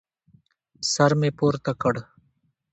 سر مې پورته کړ.